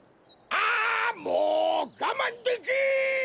あもうがまんできん！